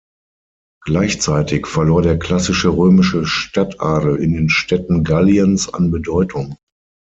Gleichzeitig verlor der klassische römische Stadtadel in den Städten Galliens an Bedeutung.